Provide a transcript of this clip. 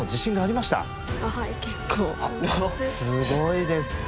おっすごいです。